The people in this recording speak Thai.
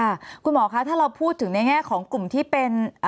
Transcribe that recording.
คุณหมอคะถ้าเราพูดถึงในแง่ของกลุ่มที่เป็น